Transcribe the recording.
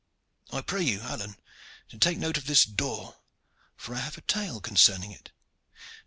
I pray you, Alleyne, to take note of this door, for I have a tale concerning it."